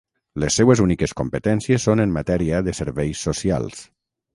Les seues úniques competències són en matèria de serveis socials.